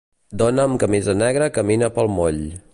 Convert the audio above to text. Dona amb camisa negra camina pel moll.